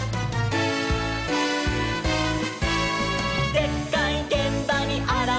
「でっかいげんばにあらわる！」